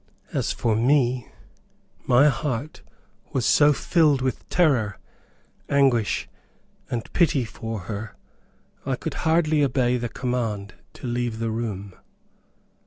As for me, my heart was so filled with terror, anguish, and pity for her, I could hardly obey the command to leave the room.